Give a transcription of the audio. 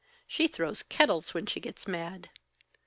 She throws kettles when she gets mad.